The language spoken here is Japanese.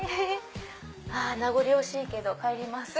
名残惜しいけど帰ります。